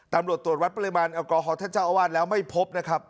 ตำรวจตรวจวัดปริมาณแอลกอฮอลท่านเจ้าอาวาสแล้วไม่พบนะครับ